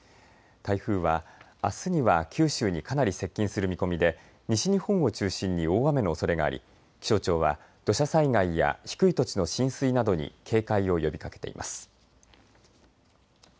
台風はあすには九州にかなり接近する見込みで、西日本を中心に大雨のおそれがあり気象庁は土砂災害や低い土地の浸水などに警戒を呼びかけています。